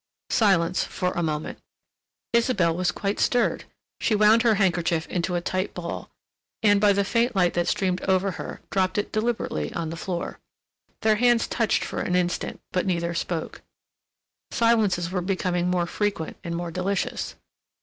Silence for a moment. Isabelle was quite stirred; she wound her handkerchief into a tight ball, and by the faint light that streamed over her, dropped it deliberately on the floor. Their hands touched for an instant, but neither spoke. Silences were becoming more frequent and more delicious.